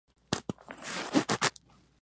Fueron encuentros muy disputados.